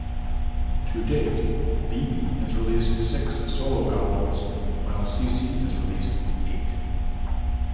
To date, BeBe has released six solo albums, while CeCe has released eight.